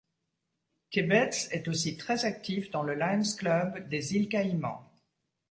Tibbetts est aussi très actif dans le Lions Clubs des Îles Caïmans.